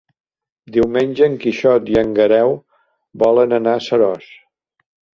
Diumenge en Quixot i en Guerau volen anar a Seròs.